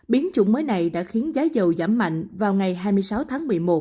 biến chủng mới này đã khiến giá giàu giảm mạnh vào ngày hai mươi sáu tháng một mươi một